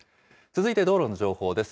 続いて道路の情報です。